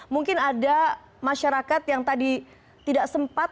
mungkin ada masyarakat yang tadi tidak sempat